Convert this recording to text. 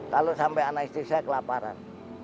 kalau sampai anak istri saya kelaparan